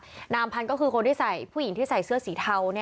น้องอำพันยุติก็คือผู้หญิงที่ใส่เสื้อสีเทา